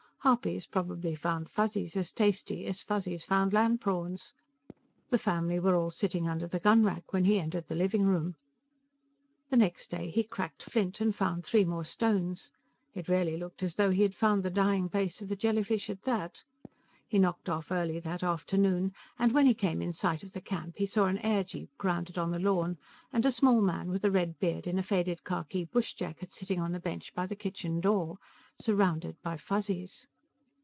Harpies probably found Fuzzies as tasty as Fuzzies found land prawns. The family were all sitting under the gunrack when he entered the living room. The next day he cracked flint, and found three more stones. It really looked as though he had found the Dying Place of the Jellyfish at that. He knocked off early that afternoon, and when he came in sight of the camp, he saw an airjeep grounded on the lawn and a small man with a red beard in a faded Khaki bush jacket sitting on the bench by the kitchen door, surrounded by Fuzzies.